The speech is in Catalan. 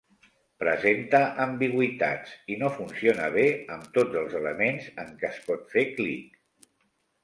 Presenta ambigüitats i no funciona bé amb tots els elements en què es pot fer clic.